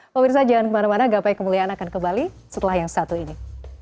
pemirsa jangan kemana mana gapai kemuliaan akan kembali setelah yang satu ini